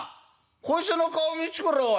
こいつの顔を見つくれよおい。